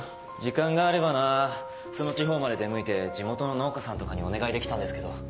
時間があればなぁその地方まで出向いて地元の農家さんとかにお願いできたんですけど。